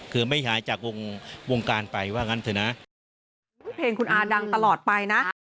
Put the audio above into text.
คือไม่หายจากวงการไปว่างั้นเถอะนะ